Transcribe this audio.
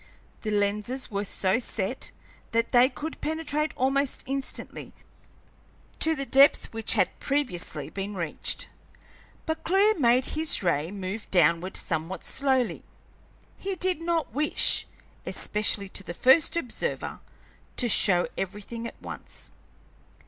The lenses were so set that they could penetrate almost instantly to the depth which had previously been reached, but Clewe made his ray move downward somewhat slowly; he did not wish, especially to the first observer, to show everything at once.